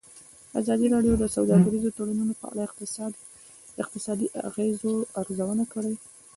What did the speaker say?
ازادي راډیو د سوداګریز تړونونه په اړه د اقتصادي اغېزو ارزونه کړې.